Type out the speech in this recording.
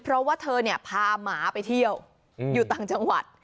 เพราะว่าเธอเนี่ยพาหมาไปเที่ยวอยู่ต่างจังหวัด